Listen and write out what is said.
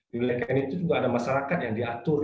di wilayah ikn itu juga ada masyarakat yang diatur